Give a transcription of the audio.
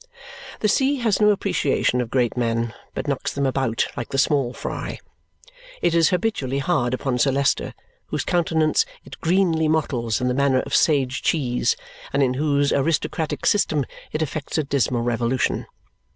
The sea has no appreciation of great men, but knocks them about like the small fry. It is habitually hard upon Sir Leicester, whose countenance it greenly mottles in the manner of sage cheese and in whose aristocratic system it effects a dismal revolution.